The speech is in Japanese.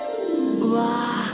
うわ！